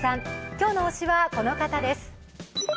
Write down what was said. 今日の推しはこの方です。